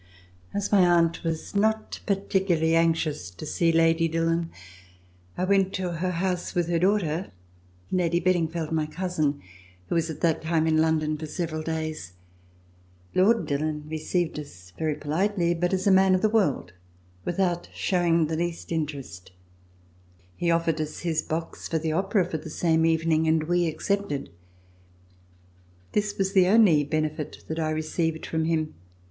As my aunt was not particularly anxious to see Lady Dillon, I went to her house with her daughter, Lady Bedingfeld, my cousin, who was at that time in London for several days. Lord Dillon received us very politely, but as a man of the world, without showing the least interest. He offered us his box for the Opera for the same evening, and we accepted. This was the only benefit that I received from him.